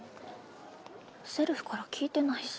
せるふから聞いてないし。